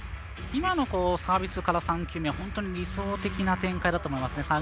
今のサービスから３球目は本当に理想的な展開だと思いますね。